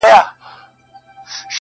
اوس مي حافظه ډيره قوي گلي.